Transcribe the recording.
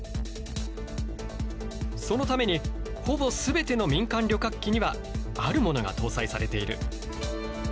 そのためにほぼ全ての民間旅客機にはあるものが搭載されている。